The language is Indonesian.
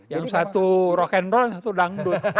yang satu rock and roll yang satu dangdut